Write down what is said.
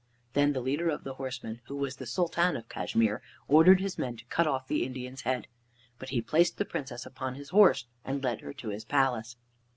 Then the leader of the horsemen, who was the Sultan of Cashmere, ordered his men to cut off the Indian's head. But he placed the Princess upon his horse and led her to his palace.